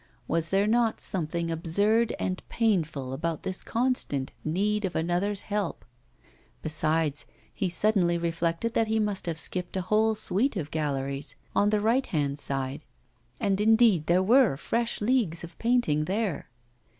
Was there not something absurd and painful about this constant need of another's help? Besides, he suddenly reflected that he must have skipped a whole suite of galleries on the right hand side; and, indeed, there were fresh leagues of painting there.